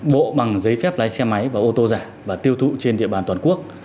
bộ bằng giấy phép lái xe máy và ô tô giả và tiêu thụ trên địa bàn toàn quốc